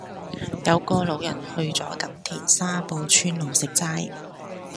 有個老人去左錦田沙埔村路食齋